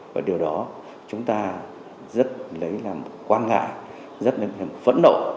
và điều đó chúng ta rất lấy làm quan ngại rất lấy làm phẫn nộ